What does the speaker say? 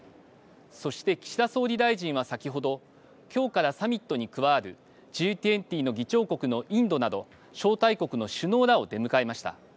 そして岸田総理大臣は先ほどきょうからサミットに加わるＧ２０の議長国のインドなど招待国の首脳らを出迎えました。